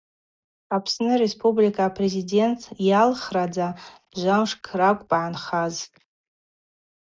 Апсны Республика а-Президент йалхрадза жвамшкӏ ракӏвпӏ йгӏанхаз.